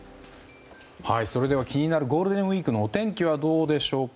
それでは気になるゴールデンウィークのお天気はどうでしょうか。